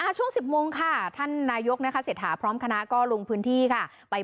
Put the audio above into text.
ช่วง๑๐โมงค่ะท่านนายกเมืองเสียทหาพร้อมท่าลงพื้นที่